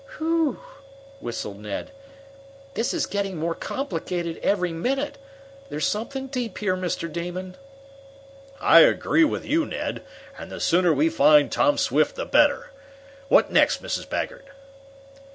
"Whew!" whistled Ned. "This is getting more complicated every minute. There's something deep here, Mr. Damon." "I agree with you, Ned. And the sooner we find Tom Swift the better. What next, Mrs. Baggert?"